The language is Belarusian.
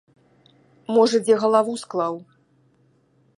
Можа, дзе галаву склаў!